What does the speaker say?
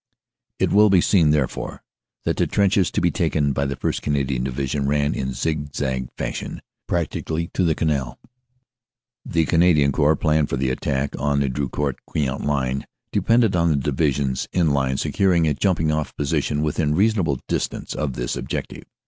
"It will be seen, therefore, that the trenches to be taken by the 1st. Canadian Division ran, in zig zag fashion, practically to the canal. The Canadian Corps plan for the attack on the Drocourt Queant line depended on the divisions in line securing a jump ing off position within reasonable distance of this objective.